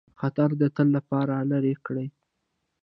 خطر د تل لپاره لیري کړ.